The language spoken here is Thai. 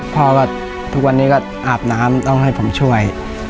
พ่อก็ทุกวันนี้ก็อาบน้ำต้องให้ผมช่วย